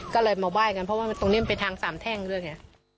ก็เลยมาไหว้กันเพราะว่าตรงนี้มันเป็นทางสามแท่งด้วยไง